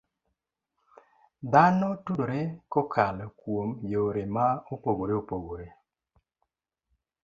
Dhano tudore kokalo kuom yore ma opogore opogore.